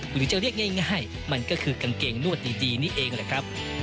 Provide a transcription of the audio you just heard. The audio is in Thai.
หรือจะเรียกง่ายมันก็คือกางเกงนวดดีนี่เองแหละครับ